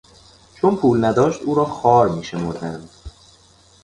چون پول نداشت او را خوار میشمردند.